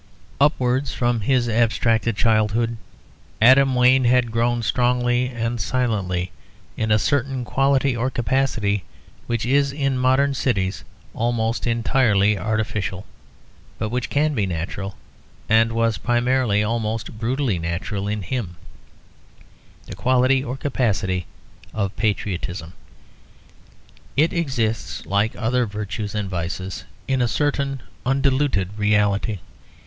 Upwards from his abstracted childhood, Adam Wayne had grown strongly and silently in a certain quality or capacity which is in modern cities almost entirely artificial, but which can be natural, and was primarily almost brutally natural in him, the quality or capacity of patriotism. It exists, like other virtues and vices, in a certain undiluted reality.